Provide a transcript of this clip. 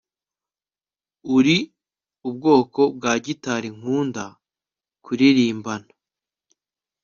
uri ubwoko bwa gitari nkunda kuririmbana